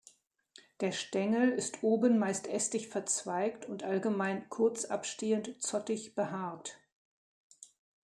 Der Stängel ist oben meist ästig verzweigt und allgemein kurzabstehend-zottig behaart.